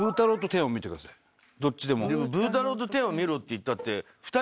でもブー太郎とテンを見ろっていったって。